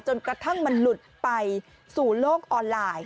จนกระทั่งมันหลุดไปสู่โลกออนไลน์